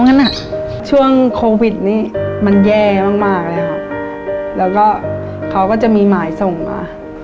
งั้นอ่ะช่วงโควิดนี้มันแย่มากมากแล้วแล้วก็เขาก็จะมีหมายส่งมา